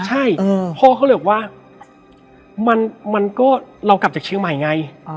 ใช่อืมพ่อเขาเรียกว่ามันมันก็เรากลับจากเชียงใหม่ไงอ่า